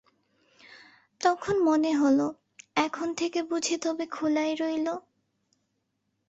তখন মনে হল, এখন থেকে বুঝি তবে খোলাই রইল।